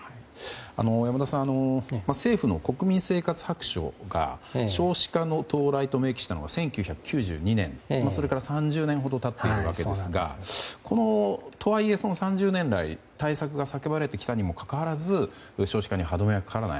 山田さん政府の国民生活白書が少子化の到来と明記したのが１９９２年でそれから３０年ほど経っているわけですがとはいえ、その３０年来対策が叫ばれてきたにもかかわらず少子化に歯止めがかからない。